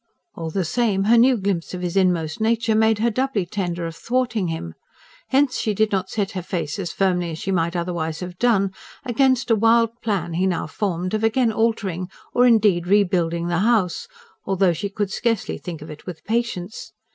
All the same, her new glimpse of his inmost nature made her doubly tender of thwarting him; hence, she did not set her face as firmly as she might otherwise have done, against a wild plan he now formed of again altering, or indeed rebuilding the house; although she could scarcely think of it with patience.